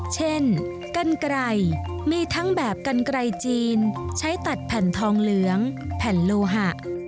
เช่นกันไกรมีทั้งแบบกันไกลจีนใช้ตัดแผ่นทองเหลืองแผ่นโลหะ